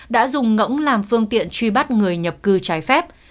đã dùng ngẫm làm phương tiện truy bắt người nhập cư trái phép